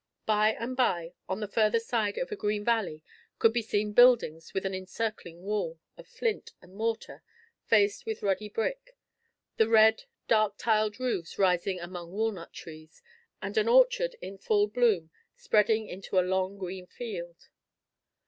By and by, on the further side of a green valley, could be seen buildings with an encircling wall of flint and mortar faced with ruddy brick, the dark red tiled roofs rising among walnut trees, and an orchard in full bloom spreading into a long green field.